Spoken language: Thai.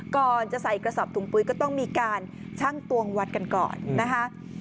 ก่อนจะใส่กระสอบถุงปุ๊ยก็ต้องมีการชั่งตวงวัดกันก่อนนะคะ